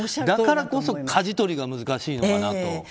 だからこそかじ取りが難しいのかなと。